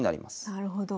なるほど。